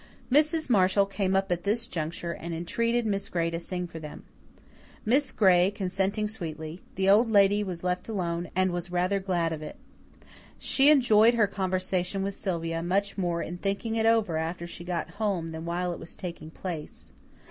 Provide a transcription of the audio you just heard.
Mrs. Marshall came up at this juncture and entreated Miss Gray to sing for them. Miss Gray consenting sweetly, the Old Lady was left alone and was rather glad of it. She enjoyed her conversation with Sylvia much more in thinking it over after she got home than while it was taking place.